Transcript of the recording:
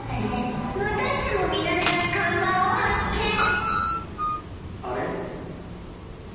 またしても見なれない看板を発見